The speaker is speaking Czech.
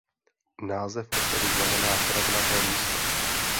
Název osady znamená "travnaté místo".